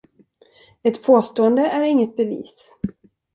Ett påstående är inget bevis.